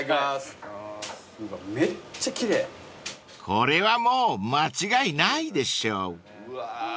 ［これはもう間違いないでしょう］